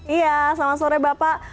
iya selamat sore bapak